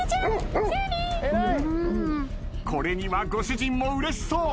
これにはご主人もうれしそう。